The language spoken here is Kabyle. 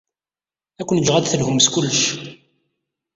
Ad ken-jjeɣ ad d-telhum s kullec.